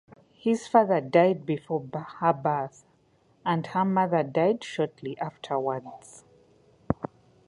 Her father died before her birth, and her mother died shortly afterwards.